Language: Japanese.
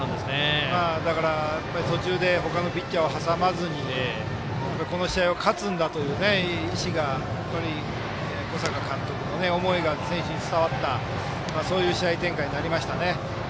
だから、途中で他のピッチャーを挟まずにこの試合を勝つんだという意思が、小坂監督の思いが選手に伝わったそういう試合展開になりましたね。